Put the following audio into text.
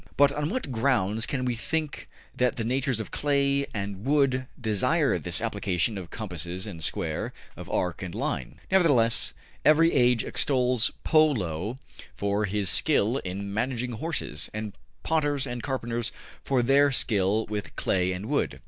'' But on what grounds can we think that the natures of clay and wood desire this application of compasses and square, of arc and line? Nevertheless, every age extols Po Lo for his skill in managing horses, and potters and carpenters for their skill with clay and wood.